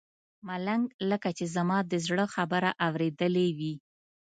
ملنګ لکه چې زما د زړه خبره اورېدلې وي.